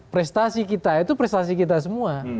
prestasi kita itu prestasi kita semua